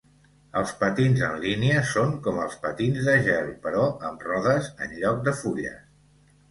Els patins en línia són com els patins de gel, però amb rodes en lloc de fulles.